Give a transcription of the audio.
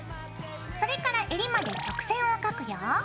それからえりまで曲線を描くよ。